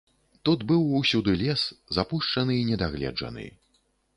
Тут быў усюды лес, запушчаны і недагледжаны.